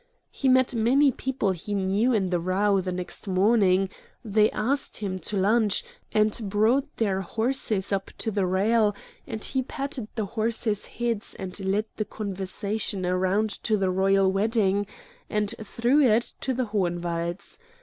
He met many people he knew in the Row the next morning; they asked him to lunch, and brought their horses up to the rail, and he patted the horses' heads, and led the conversation around to the royal wedding, and through it to the Hohenwalds.